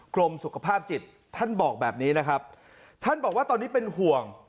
กรมสุขภาพจิตท่านบอกแบบนี้นะครับท่านบอกว่าตอนนี้เป็นห่วง